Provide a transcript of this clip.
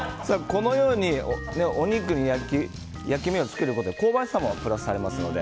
このようにお肉に焼き目をつけることで香ばしさもプラスされますので。